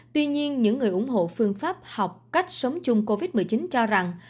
tuy nhiên những người ủng hộ phương pháp học cách sống chung covid một mươi chín cho rằng